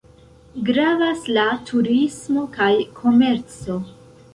Gravas la turismo kaj komerco.